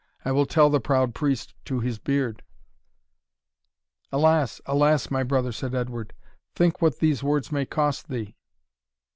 I will tell the proud priest to his beard " "Alas! alas! my brother," said Edward, "think what these words may cost thee!"